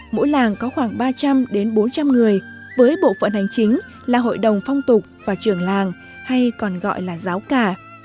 mỗi làng có khoảng ba trăm linh bốn trăm linh người với bộ phận hành chính là hội đồng phong tục và trưởng làng hay còn gọi là giáo cả